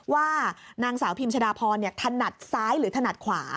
ว่านางสาวพิมชะดาพรถนัดซ้ายหรือถนัดขวา